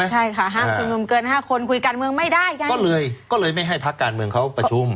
ใช่ค่ะห้ามชุมนุมเกินห้าคนคุยการเมืองไม่ได้ยังก็เลยก็เลยไม่ให้พักการเมืองเขาประชุม